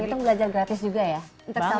itu belajar gratis juga ya untuk self defense ya